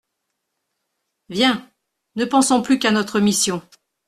Viens ! ne pensons plus qu'à notre mission.